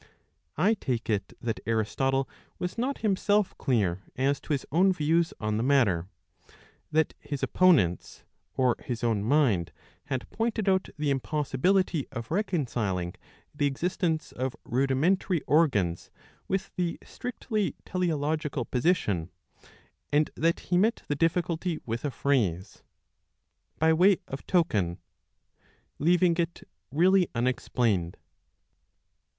I take it that Aristotle was not himself clear as to his own views on the matter ; that his opponents, or his own mind, had pointed out the impossibility of ^ preconciling the existence of r udimentarv orga ns with the strictly teleo yl logical position, "^and that he met the difficulty with a phrase, " by way of token," leaving it really unexplained.